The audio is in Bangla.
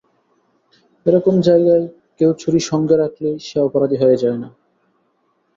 এরকম জায়গায় কেউ ছুরি সঙ্গে রাখলেই সে অপরাধী হয়ে যায় না।